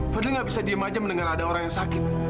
fadil tidak bisa diam saja mendengar ada orang yang sakit